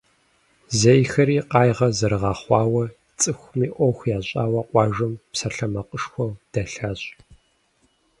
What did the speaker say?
Зейхэри къайгъэ зэрыгъэхъуауэ, цӏыхуми ӏуэху ящӏауэ къуажэм псалъэмакъышхуэу дэлъащ.